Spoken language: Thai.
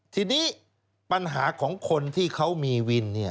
ทีนี้ปัญหาของคนที่เขามีวิน